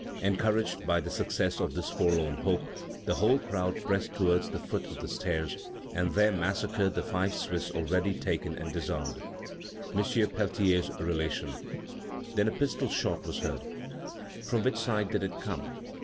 Encouraged by the success of this forlorn hope, the whole crowd pressed towards the foot of the stairs and there massacred the five Swiss already taken and disarmed." (M. Peltier's Relation.) Then a pistol shot was heard. From which side did it come?